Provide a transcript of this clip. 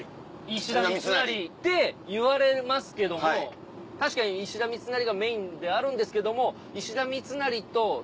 石田三成。っていわれますけども確かに石田三成がメインではあるんですけども。